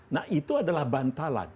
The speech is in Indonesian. nah itu adalah bantalan